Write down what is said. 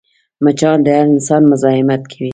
مچان د هر انسان مزاحمت کوي